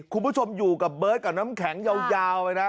คุณผู้ชมอยู่กับเบิร์ตกับน้ำแข็งยาวไปนะ